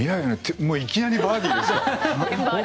いきなりバーディーですか？